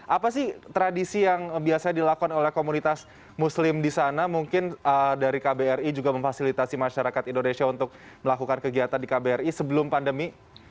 apa sih tradisi yang biasanya dilakukan oleh komunitas muslim di sana mungkin dari kbri juga memfasilitasi masyarakat indonesia untuk melakukan kegiatan di kbri sebelum pandemi